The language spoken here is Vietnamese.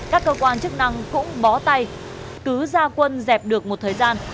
các cơ quan chức năng cũng bó tay cứ ra quân dẹp được một thời gian